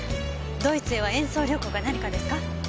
ドイツへは演奏旅行か何かですか？